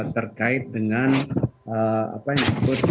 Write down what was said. terkait dengan apa yang disebut